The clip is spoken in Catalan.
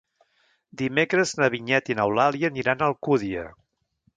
Dimecres na Vinyet i n'Eulàlia aniran a Alcúdia.